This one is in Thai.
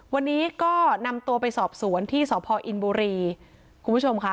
วันนี้ก็นำตัวไปสอบสวนที่สพอินบุรีคุณผู้ชมค่ะ